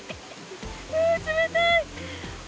冷たい！